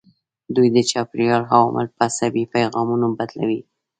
دوی د چاپیریال عوامل په عصبي پیغامونو بدلوي.